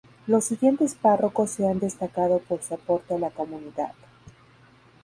Los siguientes párrocos se han destacado por su aporte a la comunidad.